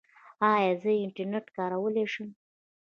ایا زه انټرنیټ کارولی شم؟